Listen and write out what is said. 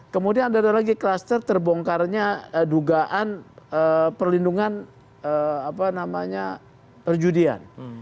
kemudian ada lagi kluster terbongkarnya dugaan perlindungan perjudian